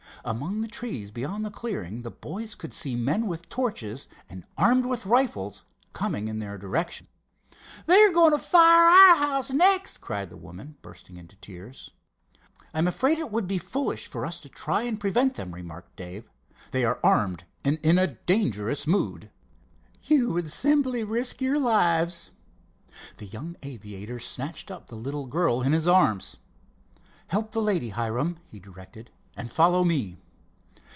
Among the trees beyond the clearing the boys could see men with torches and armed with rifles coming in their direction. "They are going to fire our house next!" cried the woman, bursting into tears. "I am afraid it would be foolish for us to try and prevent them," remarked Dave. "They are armed and in a dangerous mood." "You would simply risk your lives." The young aviator snatched up the little girl in his arms. "Help the lady, Hiram," he directed, "and follow me."